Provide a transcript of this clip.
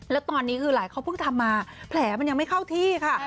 แล้วตอนนี้คือหลานเขาเพิ่งทำมาแผลมันยังไม่เข้าที่ค่ะ